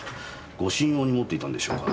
護身用に持っていたんでしょうか。